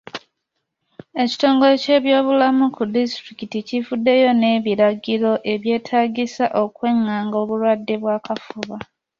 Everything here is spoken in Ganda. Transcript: Ekitongole ky'ebyobulamu ku disitulikiti kivuddeyo n'ebiragiro ebyetaagisa okwanganga obulwadde bw'akafuba.